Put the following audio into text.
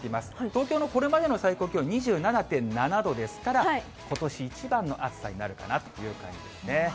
東京のこれまでの最高気温２７．７度ですから、ことし一番の暑さになるかなという感じですね。